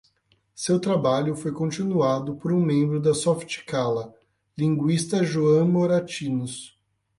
Seu trabalho foi continuado por um membro da Softcatalà, linguista Joan Moratinos.